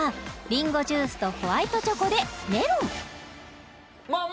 リンゴジュースとホワイトチョコウソだあ？